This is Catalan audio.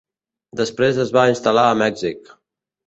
Després es va instal·lar a Mèxic.